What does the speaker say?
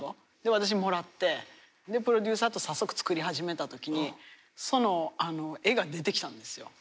私もらってプロデューサーと早速作り始めた時にその絵が出てきたんですよ。